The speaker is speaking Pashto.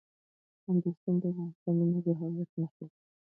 کندز سیند د افغانستان د ملي هویت نښه ده.